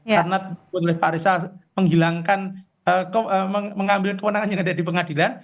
karena mengambil kewenangan yang ada di pengadilan